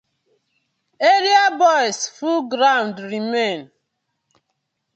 Area guyz full ground remain.